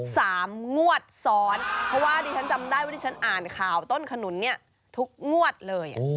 สามงวดซ้อนเพราะว่าดิฉันจำได้ว่าที่ฉันอ่านข่าวต้นขนุนเนี่ยทุกงวดเลย